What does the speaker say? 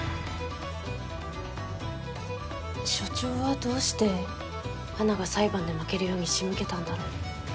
所長はどうして花が裁判で負けるように仕向けたんだろう？